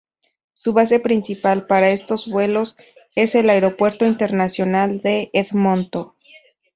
Su base principal para estos vuelos es el Aeropuerto Internacional de Edmonton.